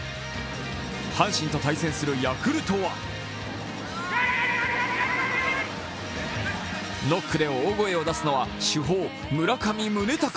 阪神と対戦するヤクルトはノックで大声を出すのは主砲・村上宗隆。